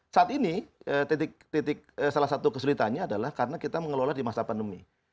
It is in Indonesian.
saat ini titik salah satu kesulitannya adalah karena kita mengelola di masa pandemi